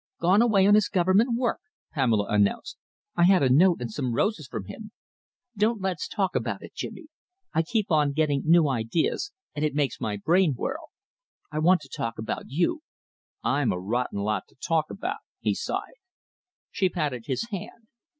"Gone away on his Government work," Pamela announced. "I had a note and some roses from him. Don't let's talk about it, Jimmy. I keep on getting new ideas, and it makes my brain whirl. I want to talk about you." "I'm a rotten lot to talk about," he sighed. She patted his hand.